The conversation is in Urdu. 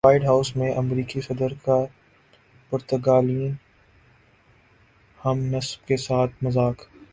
وائٹ ہاس میں امریکی صدر کا پرتگالین ہم منصب کے ساتھ مذاق